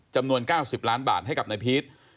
จำนวน๙๐ล้านบาทให้กับนายพีช